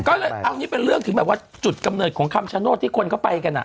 ก็เลยเอานี่เป็นเรื่องถึงแบบว่าจุดกำเนิดของคำชโนธที่คนเข้าไปกันอ่ะ